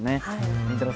りんたろー。